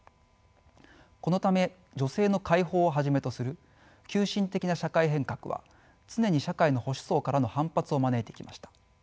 このため女性の解放をはじめとする急進的な社会変革は常に社会の保守層からの反発を招いてきました。